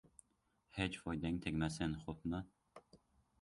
Hech foydang tegmasin, xo‘pmi!